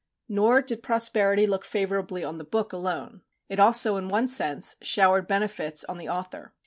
Nor did prosperity look favourably on the book alone. It also, in one sense, showered benefits on the author.